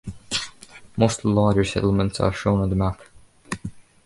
Most of the larger settlements are shown on the map.